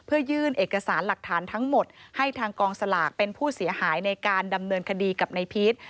เพื่อยื่นเอกสารหลักฐานทั้งหมดให้ทางกองสลากเป็นผู้เสียหายในการดำเนินคดีกับนายพีช